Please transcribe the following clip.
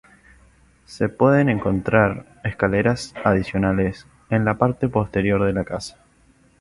Se pueden encontrar escaleras adicionales en la parte posterior de la casa.